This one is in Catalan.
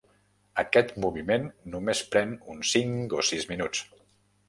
Aquest moviment només pren uns cinc o sis minuts.